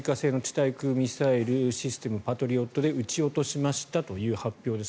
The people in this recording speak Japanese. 対空ミサイルシステムパトリオットで撃ち落としましたという発表です。